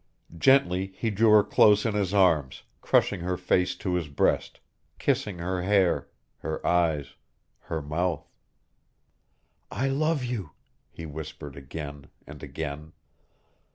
Gently he drew her close in his arms, crushing her face to his breast, kissing her hair, her eyes, her mouth. "I love you," he whispered again and again.